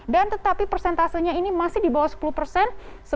dan tetapi persentasenya ini masih di bawah sepuluh persen